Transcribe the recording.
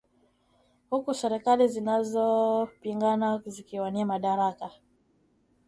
Huku serikali zinazopingana zikiwania madaraka.